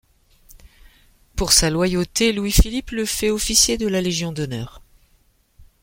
Pour sa loyauté, Louis-Philippe le fait Officier de la Légion d'honneur.